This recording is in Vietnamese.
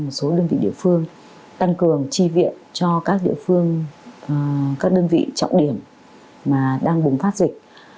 một số đơn vị địa phương tăng cường tri viện cho các địa phương các đơn vị trọng điểm mà đang bùng phát dịch